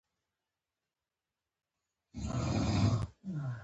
شربت د ماشومانو خوښ خوراک دی